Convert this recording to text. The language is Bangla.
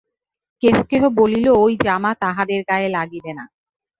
কেহ কেহ বলিল, ঐ জামা তাহাদের গায়ে লাগিবে না।